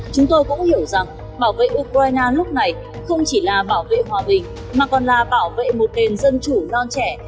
chúng tôi cũng hiểu rằng bảo vệ ukraine lúc này không chỉ là bảo vệ hòa bình mà còn là bảo vệ một nền dân chủ non trẻ